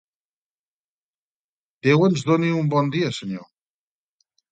Déu ens doni un bon dia, senyor